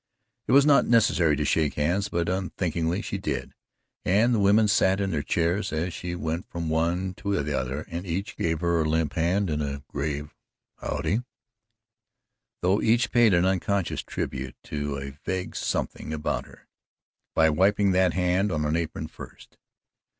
It was not necessary to shake hands, but unthinkingly she did, and the women sat in their chairs as she went from one to the other and each gave her a limp hand and a grave "howdye," though each paid an unconscious tribute to a vague something about her, by wiping that hand on an apron first.